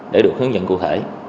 để được hướng dẫn cụ thể